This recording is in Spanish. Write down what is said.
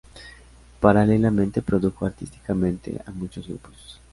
Paralelamente produjo artísticamente a muchos grupos.